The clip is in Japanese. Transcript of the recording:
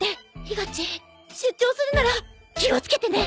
ひがっち出張するなら気を付けてね。